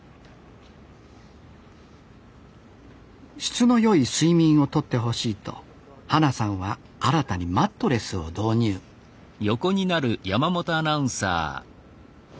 質の良い睡眠をとってほしいと花さんは新たにマットレスを導入あ